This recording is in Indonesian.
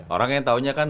orang yang taunya kan